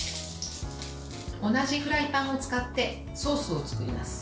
同じフライパンを使ってソースを作ります。